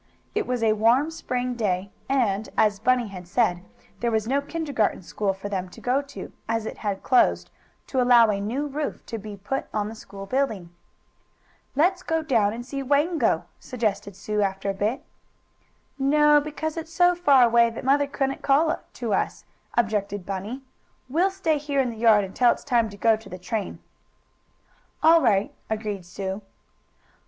It was a warm spring day, and, as Bunny had said, there was no kindergarten school for them to go to, as it had closed, to allow a new roof to be put on the school building. "Let's go down and see Wango," suggested Sue, after a bit. "No, because it's so far away that mother couldn't call to us," objected Bunny. "We'll stay here in the yard until it's time to go to the train." "All right," agreed Sue.